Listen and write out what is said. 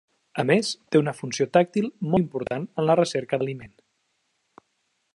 A més, té una funció tàctil molt important en la recerca d'aliment.